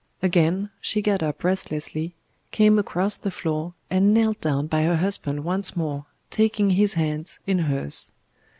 Again she got up restlessly, came across the floor, and knelt down by her husband once more, taking his hands in hers.